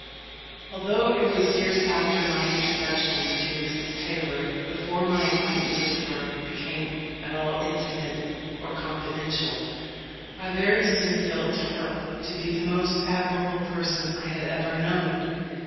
Although it was years after my introduction to Mrs. Taylor before my acquaintance with her became at all intimate or confidential, I very soon felt her to be the most admirable person I had ever known.